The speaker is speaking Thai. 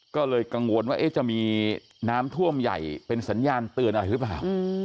ก็เลยกังวลว่าจะมีน้ำท่วมใหญ่เป็นสัญญาณเตือนอะไรหรือเปล่า